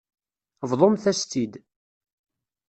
Bḍumt-as-tt-id.